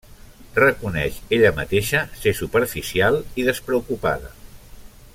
Reconeix ella mateixa ser superficial i despreocupada.